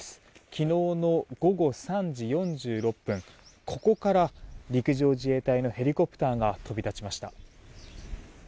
昨日の午後３時４６分ここから陸上自衛隊のヘリコプターが飛び立ちました。